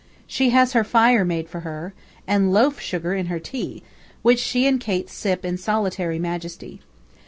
She has her fire made for her, and loaf sugar in her tea, which she and Cates sip in solitary majesty.